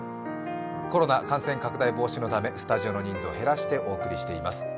コロナ感染拡大防止のためスタジオの人数を減らしてお送りしております。